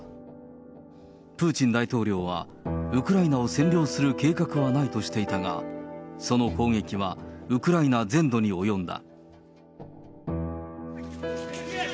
プーチン大統領は、ウクライナを占領する計画はないとしていたが、その攻撃は、ウクライナ全土に及んだ。